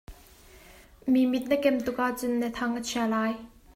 Mi mit na kem tuk ahcun na thang a chia lai.